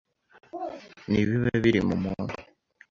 Ni ibiba biri mu muntu